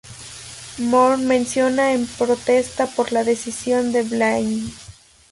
Moore renunció en protesta por la decisión de Blaine.